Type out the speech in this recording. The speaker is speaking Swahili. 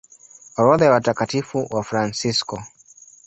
Orodha ya Watakatifu Wafransisko